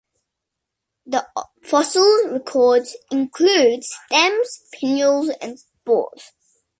The fossil record includes stems, pinnules, and spores.